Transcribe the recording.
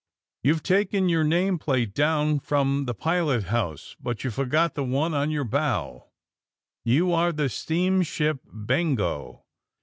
*^ You've taken your name plate down from the pilot house, but you forgot the one on your bow. You are the steamship 'Bengo.'